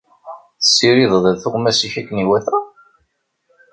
Tessirideḍ tuɣmas-ik akken iwata?